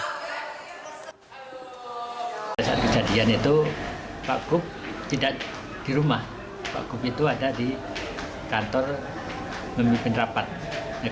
pada saat kejadian itu pak gup tidak di rumah pak gup itu ada di kantor memimpin rapat